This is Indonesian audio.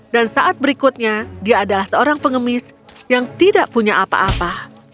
dan saat berikutnya dia adalah seorang pengemis yang tidak punya apa apa